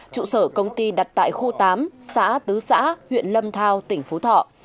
trụ sở công ty đặt tại khu tám xã tứ xã huyện lâm thao tỉnh phú thọ